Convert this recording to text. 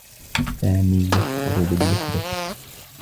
سامي يشعر بالوحدة.